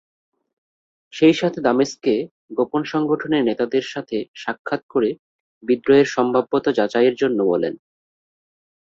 সেই সাথে দামেস্কে গোপন সংগঠনের নেতাদের সাথে সাক্ষাৎ করে বিদ্রোহের সম্ভাব্যতা যাচাইয়ের জন্য বলেন।